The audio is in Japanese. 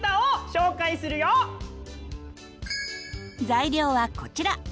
材料はこちら。